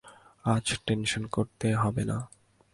আজ টেনশন করতে হবে না।